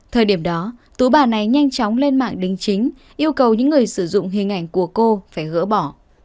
thời điểm đó tú bà này nhanh chóng lên mạng đính chính yêu cầu những người sử dụng hình ảnh của cô phải gỡ bỏ